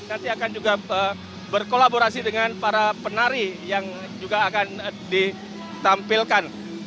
nanti akan juga berkolaborasi dengan para penari yang juga akan ditampilkan